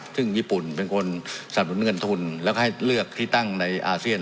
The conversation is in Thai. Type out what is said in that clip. ซึ่งญี่ปุ่นเป็นคนสับหนุนเงินทุนแล้วก็ให้เลือกที่ตั้งในอาเซียน